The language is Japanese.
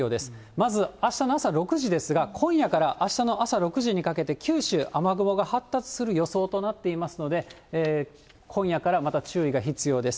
まずあしたの朝６時ですが、今夜からあしたの朝６時にかけて、九州、雨雲が発達する予想となっていますので、今夜からまた注意が必要です。